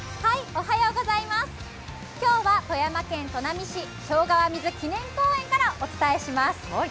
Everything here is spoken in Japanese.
今日は富山県砺波市、庄川水記念公園からお伝えします。